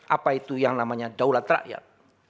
apa itu yang namanya daulat rakyat